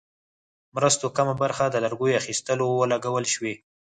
مرستو کمه برخه د لرګیو اخیستلو ولګول شوې.